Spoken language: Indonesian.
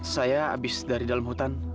saya habis dari dalam hutan